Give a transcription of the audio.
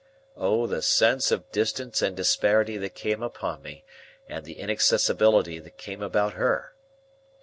O the sense of distance and disparity that came upon me, and the inaccessibility that came about her!